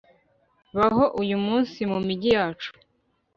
Baho uyu munsi mu migi yacu